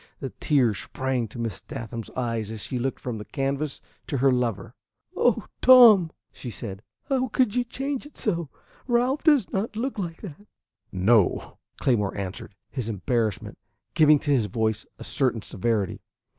The tears sprang to Miss Sathman's eyes as she looked from the canvas to her lover. "Oh, Tom," she said, "how could you change it so? Ralph does not look like that." "No," Claymore answered, his embarrassment giving to his voice a certain severity.